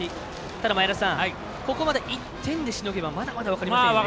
ただ、ここまで１点でしのげばまだまだ分かりませんね。